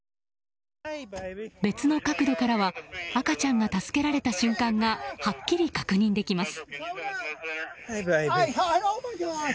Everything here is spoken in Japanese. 別の角度からは赤ちゃんが助けられた瞬間がはっきり確認できます。